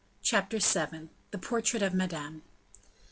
Chapter VII. The Portrait of Madame.